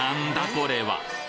これは！？